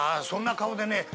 そんな顔でね